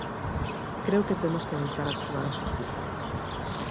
Creo que temos que deixar actuar a xustiza.